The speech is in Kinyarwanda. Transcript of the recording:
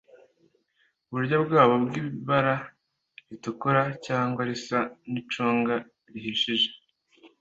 iburyo bwabo iby'ibara ritukura cyangwa risa n'icunga rihishije